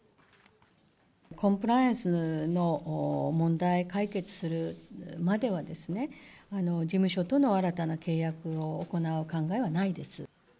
コンプライアンスの問題を解決するまではですね、事務所との新たな契約を行う考えはないです。